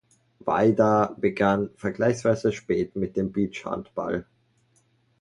Vajda begann vergleichsweise spät mit dem Beachhandball.